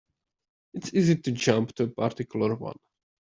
It's easy to jump to a particular one.